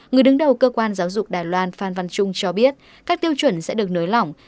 người đứng đầu cơ quan giáo dục đài loan phan văn trung cho biết các tiêu chuẩn sẽ được nới lỏng